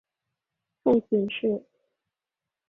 父亲是。